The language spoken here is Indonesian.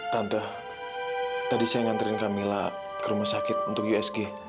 tante tadi saya nganterin camilla ke rumah sakit untuk usg